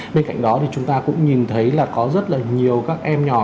bên cạnh đó thì chúng ta cũng nhìn thấy là có rất là nhiều các em nhỏ